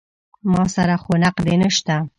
ما سره خو نقدې نه شته.